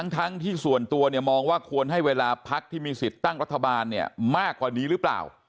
ทั้งที่ส่วนตัวเนี่ยมองว่าควรให้เวลาพักที่มีสิทธิ์ตั้งรัฐบาลเนี่ยมากกว่านี้หรือเปล่า